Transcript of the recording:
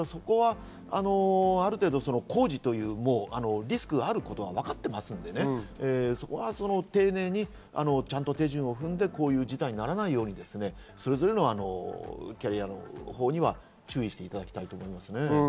ある程度、工事ということで、リスクは分かっていると思いますので、そこは丁寧にちゃんと手順を踏んで、こういう事態にならないように、それぞれのキャリアのほうには注意していただきたいですね。